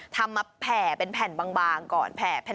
ทำมาแผ่เป็นแผ่นบางก่อนแผ่แผ่น